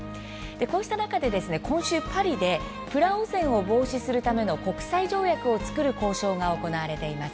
こうした中で、今週パリでプラ汚染を防止するための国際条約を作る交渉が行われています。